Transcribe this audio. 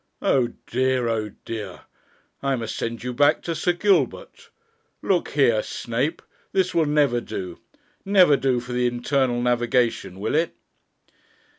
Oh dear, oh dear, I must send you back to Sir Gilbert. Look here, Snape, this will never do never do for the Internal Navigation, will it?'